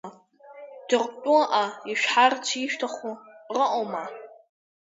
Ҭырқәтәылаҟа ишәҳәарц ишәҭаху крыҟоума?